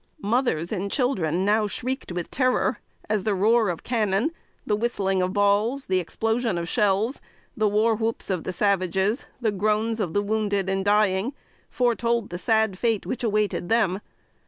Mothers and children now shrieked with terror as the roar of cannon, the whistling of balls, the explosion of shells, the war whoops of the savages, the groans of the wounded and dying, foretold the sad fate which awaited them.